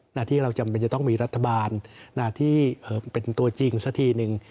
หน้าที่เราจำเป็นจะต้องมีรัฐบาลที่เป็นตัวจริงสักทีหนึ่ง